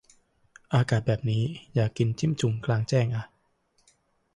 อากาศแบบนี้ อยากกินจิ้มจุ่มกลางแจ้งอ่ะ